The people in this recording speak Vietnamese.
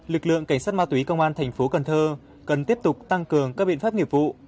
lực lượng cảnh sát ma túy công an thành phố cần thơ cần tiếp tục tăng cường các biện pháp nghiệp vụ